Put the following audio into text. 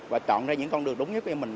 và chọn ra những con đường đúng nhất của mình